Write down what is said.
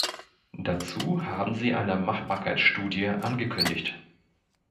Dazu haben sie eine Machbarkeitsstudie angekündigt.